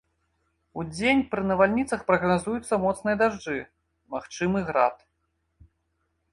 Удзень пры навальніцах прагназуюцца моцныя дажджы, магчымы град.